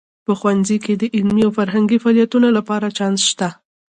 په دې ښوونځي کې د علمي او فرهنګي فعالیتونو لپاره چانس شته